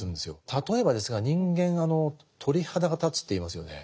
例えばですが人間「鳥肌が立つ」と言いますよね。